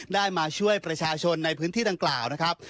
ได้มาช่วยประชาชนในพื้นที่ดังกล่าวนะครับ